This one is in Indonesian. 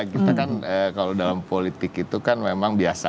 kita kan kalau dalam politik itu kan memang biasa